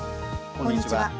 こんにちは。